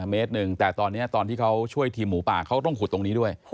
เมตรหนึ่งแต่ตอนนี้ตอนที่เขาช่วยทีมหมูป่าเขาต้องขุดตรงนี้ด้วย